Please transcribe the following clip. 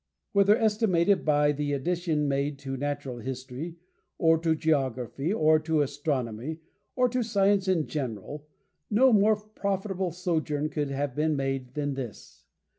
Whether estimated by the addition made to natural history, or to geography, or to astronomy, or to science in general, no more profitable a sojourn could have been made than this.